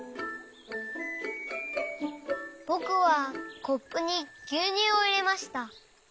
ぼくはコップにぎゅうにゅうをいれました。